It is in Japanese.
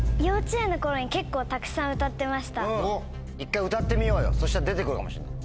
一回歌ってみようよそしたら出てくるかもしれない。